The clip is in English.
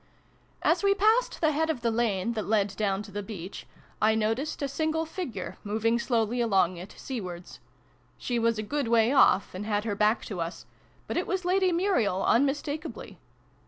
As we passed the head of the lane that led down to the beach, I noticed a single figure, moving slowly along it, seawards. She was a good way off, and had her back to us : but it was Lady Muriel, unmistakably.